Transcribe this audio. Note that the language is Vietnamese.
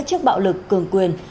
trước bạo lực cường quyền